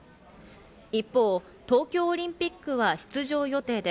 一方、東京オリンピックは出場予定で、